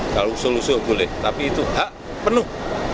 kalau solusi boleh tapi itu hak penuh